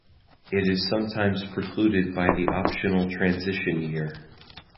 It is sometimes precluded by the optional Transition Year.